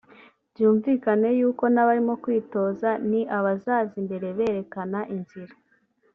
byumvikane y’uko n’abarimo kwitoza ni abazaza imbere berekana inzira